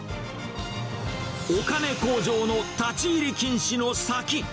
お金工場の立ち入り禁止の先。